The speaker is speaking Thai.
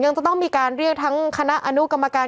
จะต้องมีการเรียกทั้งคณะอนุกรรมการ